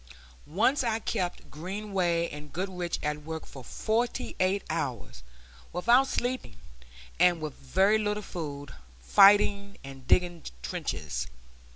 Once I kept Greenway and Goodrich at work for forty eight hours, without sleeping, and with very little food, fighting and digging trenches.